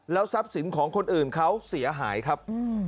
ทรัพย์สินของคนอื่นเขาเสียหายครับ